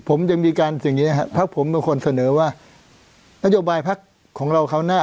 ผมจะมีการอย่างนี้ค่ะพระผมเป็นคนเสนอว่านโยบายพักของเราข้างหน้า